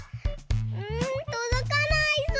うんとどかないぞう。